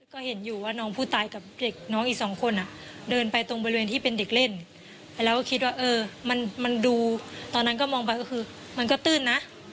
ก็เห็นอยู่ว่าน้องผู้ตายกับเด็กน้องอีกสองคนอ่ะเดินไปตรงบริเวณที่เป็นเด็กเล่นแล้วก็คิดว่าเออมันดูตอนนั้นก็มองไปก็คือมันก็ตื้นนะ